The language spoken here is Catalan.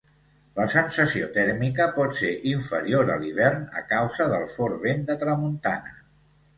La sensació tèrmica pot ser inferior a l'hivern a causa del fort vent de tramuntana.